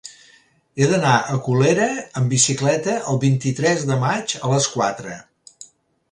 He d'anar a Colera amb bicicleta el vint-i-tres de maig a les quatre.